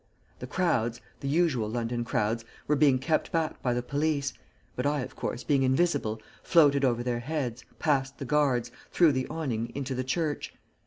The crowds, the usual London crowds, were being kept back by the police, but I, of course, being invisible, floated over their heads, past the guards, through the awning into the church.